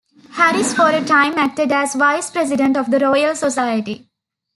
Harris for a time acted as vice-president of the Royal Society.